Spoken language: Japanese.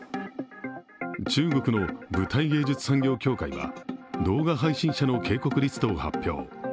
中国の舞台芸術産業協会は動画配信者の警告リストを発表。